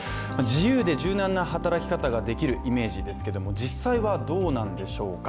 自由で柔軟な働き方ができるイメージですけど実際はどうなんでしょうか。